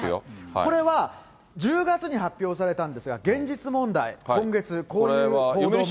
これは１０月に発表されたんですが、現実問題、今月、こういう報道が。